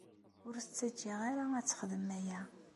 Ur tt-ttaǧǧaɣ ara ad texdem aya.